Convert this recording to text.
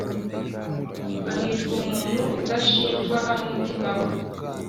Hahirwa umuntu udashinjwa n’umutima we,